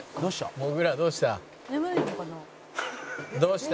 「もぐらどうした？」